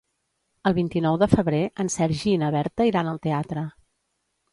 El vint-i-nou de febrer en Sergi i na Berta iran al teatre.